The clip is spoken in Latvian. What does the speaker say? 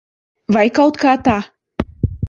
Vai kaut kā tā.